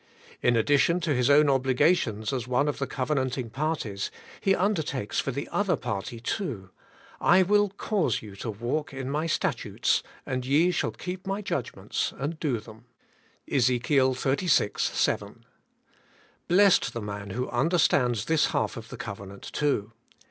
In addition to His own obligations as one of the cove nanting parties, He undertakes for the other party too : 'I WILL CAUSE you to Walk in my statutes, and ye shall keep my judgments and do them' {EzeJc. xxxvi. 15 326 ABIDE IN CHRIST: 7). Blessed the man who understands this half of the covenant too!